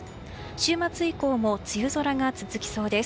週末以降も梅雨空が続きそうです。